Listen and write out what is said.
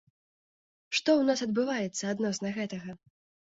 Што ў нас адбываецца адносна гэтага?